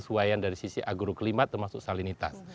kesesuaian dari sisi agro klimat termasuk salinitas